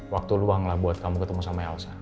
waktu luang lah buat kamu ketemu sama elsa